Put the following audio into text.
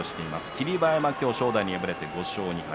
霧馬山は正代に敗れて５勝２敗。